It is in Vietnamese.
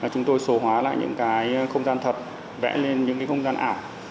chúng tôi số hóa lại những cái không gian thật vẽ lên những không gian ảo